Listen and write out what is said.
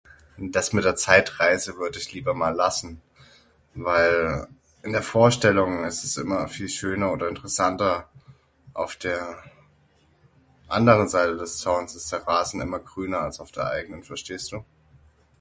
Das mit der Zeitreise würde ich lieber mal lassen, weil in der Vorstellung ist es immer viel schöner oder interessanter auf der anderen Seite des Zaunes ist der Rasen immer grüner als auf der eigenen. Verstehst Du?